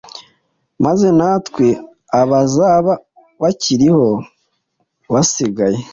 Maze natwe abazaba bakiriho basigaye,